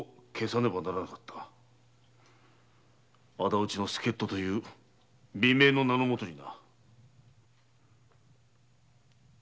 “仇討ちの助っ人”という美名の名の下にな。